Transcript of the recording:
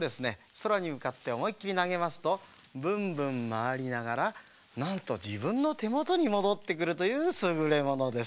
そらにむかっておもいっきりなげますとブンブンまわりながらなんとじぶんのてもとにもどってくるというすぐれものです。